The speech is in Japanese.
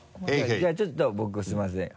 じゃあちょっと僕すみません。